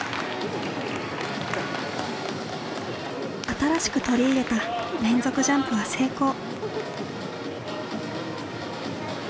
新しく取り入れた連続ジャンプは成功。